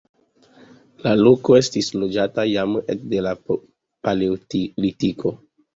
La loko estis loĝata jam ekde la paleolitiko.